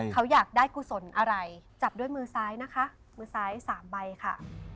เขาอยากได้กุศลอะไรจับด้วยมือซ้ายนะคะมือซ้าย๓ใบค่ะ